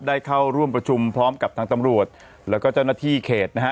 ได้เข้าร่วมประชุมพร้อมกับทางตำรวจแล้วก็เจ้าหน้าที่เขตนะฮะ